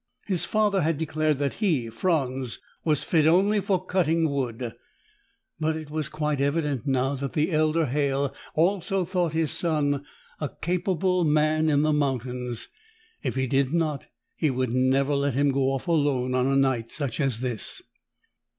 His father had declared that he, Franz, was fit only for cutting wood. But it was quite evident now that the elder Halle also thought his son a capable man in the mountains. If he did not, he would never let him go off alone on a night such as this.